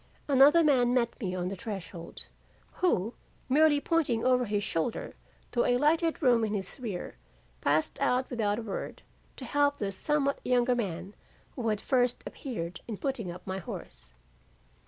Another man met me on the threshold who merely pointing over his shoulder to a lighted room in his rear, passed out without a word, to help the somewhat younger man, who had first appeared, in putting up my horse.